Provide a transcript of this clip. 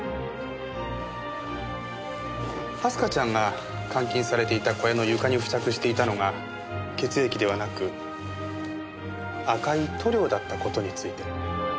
明日香ちゃんが監禁されていた小屋の床に付着していたのが血液ではなく赤い塗料だった事について。